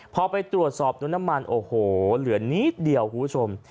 พอไปตรวจสอบดูน้ำมันโอ้โหเหลือนิดเดียวคุณผู้ชม